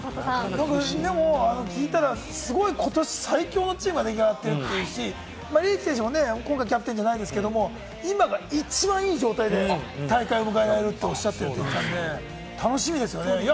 でも聞いたら、すごい今年最強のチームが出来上がってるというし、リーチ選手も今回キャプテンじゃないですけれど、今が一番いい状態で大会を迎えられるっておっしゃってたので楽しみですよね。